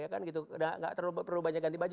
gak perlu banyak ganti baju